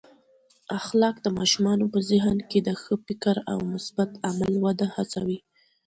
اخلاق د ماشومانو په ذهن کې د ښه فکر او مثبت عمل وده هڅوي.